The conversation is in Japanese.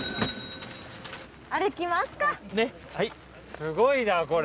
すごいなこれ。